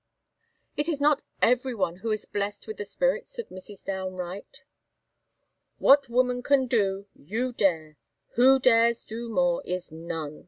"It is not everyone who is blessed with the spirits of Mrs. Downe Wright." "What woman can do, you dare; who dares do more, is none!"